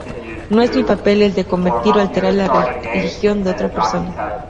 No es mi papel el de convertir o alterar la religión de otra persona.